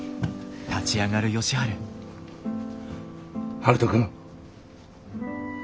悠人君。